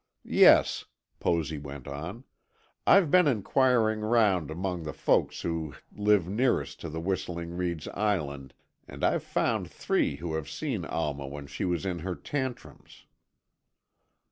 "Yes," Posy went on, "I've been inquiring round among the folks who live nearest to Whistling Reeds Island, and I've found three who have seen Alma when she was in her tantrums."